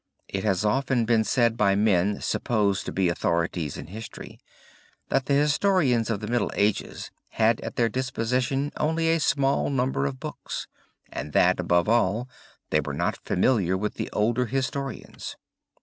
It has often been said by men supposed to be authorities in history, that the historians of the Middle Ages had at their disposition only a small number of books, and that above all they were not familiar with the older historians.